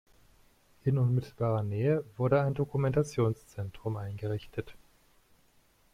In unmittelbarer Nähe wurde ein Dokumentationszentrum eingerichtet.